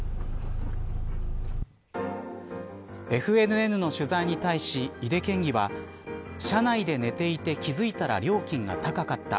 ＦＮＮの取材に対し、井手県議は車内で寝ていて気付いたら料金が高かった。